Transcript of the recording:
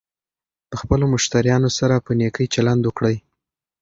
د خپلو مشتریانو سره په نېکۍ چلند وکړئ.